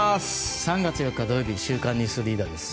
３月４日、土曜日「週刊ニュースリーダー」です。